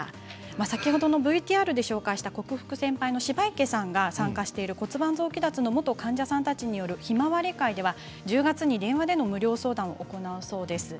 先ほどのＶＴＲで紹介した克服センパイの芝池さんが参加している骨盤臓器脱の元患者さんたちによるひまわり会では１０月に電話での無料相談を行うそうです。